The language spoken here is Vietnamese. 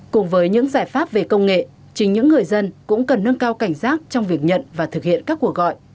cùng với những giải pháp về công nghệ chính những người dân cũng cần nâng cao cảnh giác trong việc nhận và thực hiện các cuộc gọi